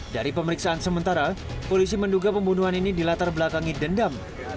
dari pemeriksaan sementara polisi menduga pembunuhan ini dilatar belakangi dendam